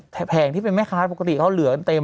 แผงที่เป็นแม่ค้าปกติเขาเหลือกันเต็ม